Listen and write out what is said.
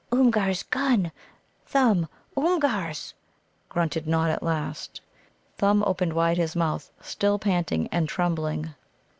"Oomgar's gun, Thumb? Oomgar's?" grunted Nod at last. Thumb opened wide his mouth, still panting and trembling.